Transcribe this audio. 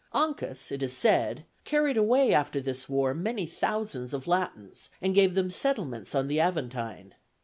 Ancus, it is said, carried away after this war many thousands of Latins, and gave them settlements on the Aventine.